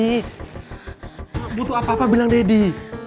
kamu butuh apa apa bilang daddy